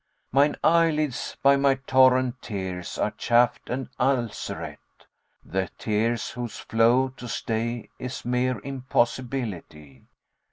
Mine eyelids by my torrent tears are chafed, and ulcerate, * The tears, whose flow to stay is mere impossibility.